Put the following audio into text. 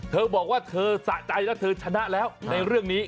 เธอบอกว่าเธอสะใจแล้วเธอชนะแล้วในเรื่องนี้